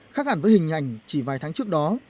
khác hẳn với hình ảnh chỉ vài tháng trước đó